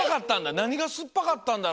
なにがすっぱかったんだろ？